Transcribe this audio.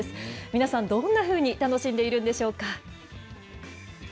皆さん、どんなふうに楽しんでいるんでしょうか。